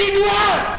dia di dua